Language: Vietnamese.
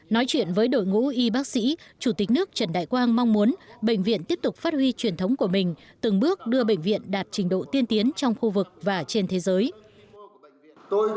nói chuyện với đội ngũ y bác sĩ chủ tịch nước trần đại quang mong muốn bệnh viện tiếp tục phát huy truyền thống của mình từng bước đưa bệnh viện đạt trình độ tiên tiến trong khu vực và trên thế giới